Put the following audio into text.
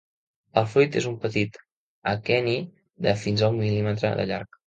El fruit és un petit aqueni de fins a un mil·límetre de llarg.